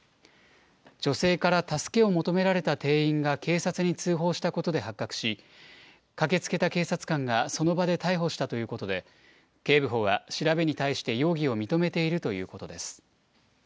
女性から助けを求められた店員が警察に通報したことで発覚し、駆けつけた警察官が、その場で逮捕したということで、警部補は調べに対して容疑を認めているということです。